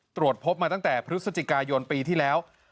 ตรวจพบมาตั้งแต่พฤศจิกายนปีที่แล้ว